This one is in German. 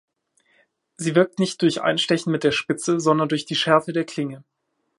Sie wirkt nicht durch Einstechen mit der Spitze, sondern durch die Schärfe der Klinge.